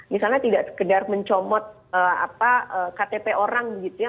misalnya tidak sekedar mencomot ktp orang begitu ya